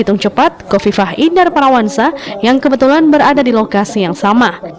dan yang cepat kofifah indar panawansa yang kebetulan berada di lokasi yang sama